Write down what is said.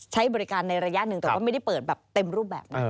ใช้บริการในระยะหนึ่งแต่ว่าไม่ได้เปิดแบบเต็มรูปแบบนะ